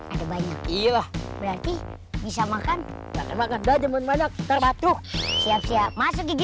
ada banyak iya berarti bisa makan makan aja banyak terbatuk siap siap masuk gigi